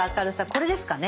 これですかね。